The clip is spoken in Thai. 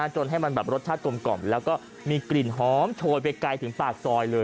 จนให้มันแบบรสชาติกลมแล้วก็มีกลิ่นหอมโชยไปไกลถึงปากซอยเลย